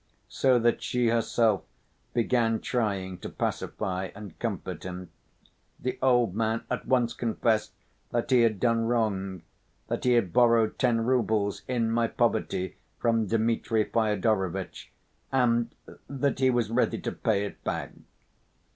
So that she herself began trying to pacify and comfort him. The old man at once confessed that he had done wrong, that he had borrowed "ten roubles in my poverty," from Dmitri Fyodorovitch, and that he was ready to pay it back.